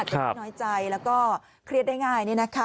ที่น้อยใจแล้วก็เครียดได้ง่าย